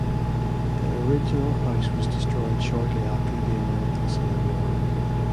The original house was destroyed shortly after the American Civil War.